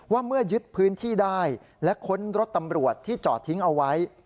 ว่าเมื่อยึดพื้นที่ได้และค้นรถตำรวจที่จอดทิ้งเอาไว้